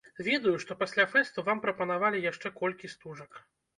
Ведаю, што пасля фэсту вам прапанавалі яшчэ колькі стужак.